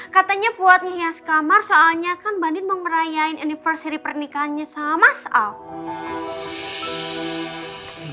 katanya buat ngehias kamar soalnya kan mbak andin mau merayain anniversary pernikahannya sama so